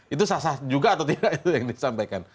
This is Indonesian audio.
itu sah sah juga atau tidak itu yang disampaikan